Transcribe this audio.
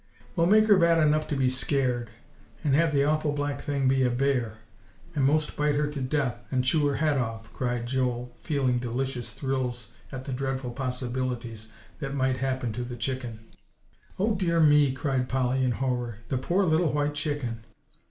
"Well, make her bad enough to be scared; and have the awful black thing be a bear, and most bite her to death, and chew her head off," cried Joel, feeling delicious thrills at the dreadful possibilities that might happen to the chicken. "Oh, dear me!" cried Polly in horror, "the poor little white chicken!"